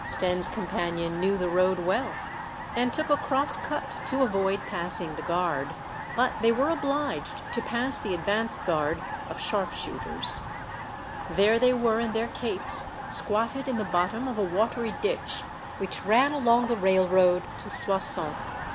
Stenne's companion knew the road well, and took a cross cut to avoid passing the guard ; but they were obliged to pass the advance guard of sharp The Boy Spy. 27 shooters. There they were in their capes, squatted in the bottom of a watery ditch which ran along the railroad to Soissons.